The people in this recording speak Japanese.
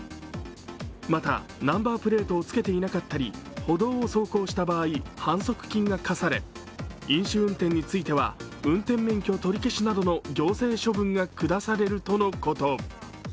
またナンバープレートをつけていなかったり、歩道を走行した場合、反則金が科され飲酒運転については運転免許取り消しなどの行政処分が下されるとのこと。